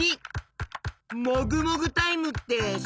もぐもぐタイムってしってる？